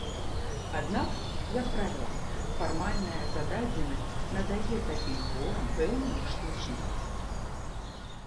Аднак, як правіла, фармальная зададзенасць надае такім творам пэўную штучнасць.